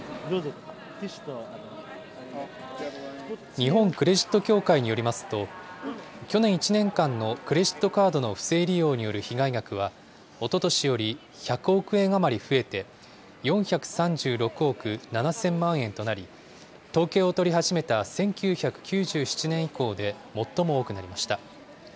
日本クレジット協会によりますと、去年１年間のクレジットカードの不正利用による被害額は、おととしより１００億円余り増えて、４３６億７０００万円となり、統計を取り始めた１９９７年以降で最も多くなりました。